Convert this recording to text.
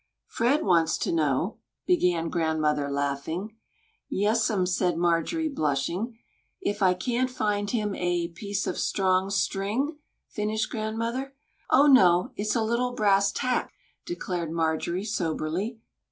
"Fred wants to know" began grandmother, laughing. "Yes'm," said Marjorie, blushing. "If I can't find him a piece of strong string?" finished grandmother. "O, no it's a little brass tack!" declared Marjorie, soberly.